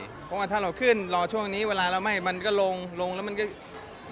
เพราะว่าถ้าเราขึ้นรอช่วงนี้เวลาเราไหม้มันก็ลงลงแล้วมันก็